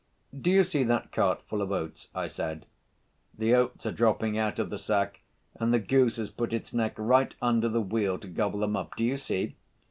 'Do you see that cart full of oats?' I said. 'The oats are dropping out of the sack, and the goose has put its neck right under the wheel to gobble them up—do you see?